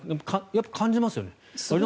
やっぱり感じますよね。